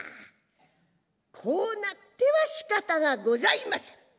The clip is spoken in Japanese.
こうなってはしかたがございません。